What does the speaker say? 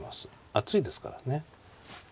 厚いですからね。